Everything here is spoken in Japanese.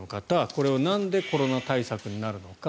これはなんでコロナ対策になるのか。